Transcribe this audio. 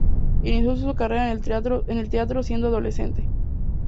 Inició su carrera en el teatro siendo adolescente.